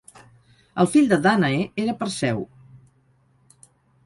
El fill de Dànae era Perseu.